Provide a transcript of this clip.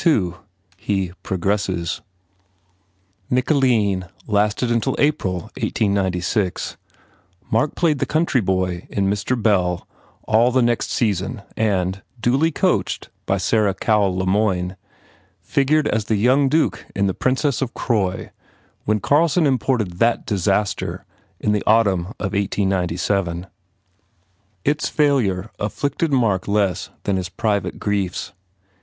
* 22 II He Progresses "TW JICOLINE" lasted until ^W^ Mark played the country boy in "Mr. A ^i Bell" all the next season and, duly coached by Sarah Cowell LeMoyne, figured as the young duke in "The Princess of Croy" when Carlson imported that disaster in the autumn of 1897. Its failure afflicted Mark less than his private griefs.